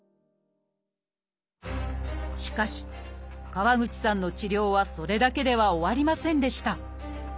しかし川口さんの治療はそれだけでは終わりませんでした。